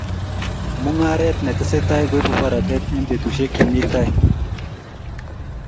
Mungaret ne tesetai koibu boratet eng betusiek che mi tai